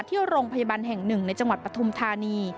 ที่โรงพยาบาลแห่งหนึ่งในจังหวัดปฐุมธานี